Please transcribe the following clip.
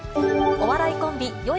お笑いコンビ、よ